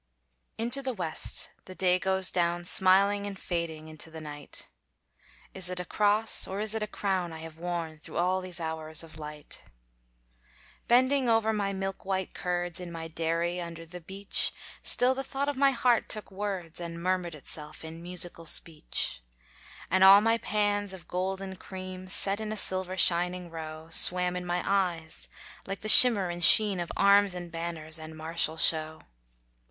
Into the west the day goes down, Smiling and fading into the night, Is it a cross, or is it a crown I have worn through all these hours of light! Bending over my milk white curds, In my dairy under the beech, Still the thought of my heart took words, And murmured itself in musical speech. And all my pans of golden cream, Set in a silver shining row, Swam in my eyes like the shimmer and sheen Of arms and banners, and martial show.